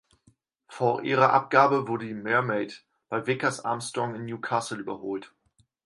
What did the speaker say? Vor ihrer Abgabe wurde die "Mermaid" bei Vickers-Armstrong in Newcastle überholt.